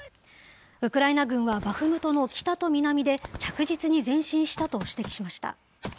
ウクライナ軍は、バフムトの北と南で着実に前進したと指摘しました。